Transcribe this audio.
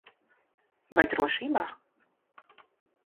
Vai drošībā?